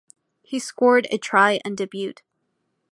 He scored a try on debut.